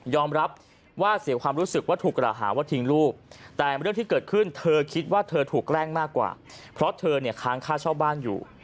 รับว่าเสียความรู้สึกว่าถูกกล่าวหาว่าทิ้งลูกแต่เรื่องที่เกิดขึ้นเธอคิดว่าเธอถูกแกล้งมากกว่าเพราะเธอเนี่ยค้างค่าเช่าบ้านอยู่